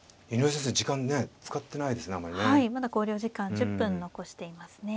まだ考慮時間１０分残していますね。